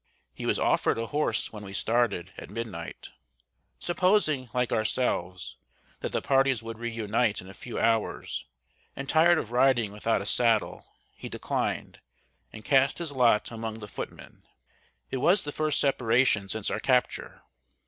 He was offered a horse when we started, at midnight. Supposing, like ourselves, that the parties would re unite in a few hours, and tired of riding without a saddle, he declined, and cast his lot among the footmen. It was the first separation since our capture.